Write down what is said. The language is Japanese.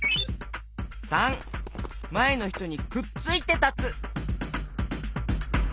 ③まえのひとにくっついてたつ。